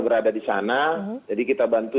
berada di sana jadi kita bantu